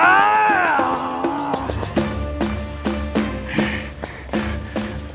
kok yang ini juga dikunci sih